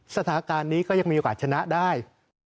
สถานการณ์นี้ก็ยังมีโอกาสชนะได้